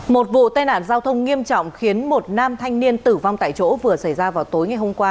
một vụ tai nạn giao thông nghiêm trọng khiến một nam thanh niên tử vong tại chỗ vừa xảy ra vào tối ngày hôm qua